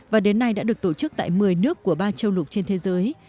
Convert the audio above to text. và đến nay đã được tổ chức tại một mươi nước của ba châu lục trên thế giới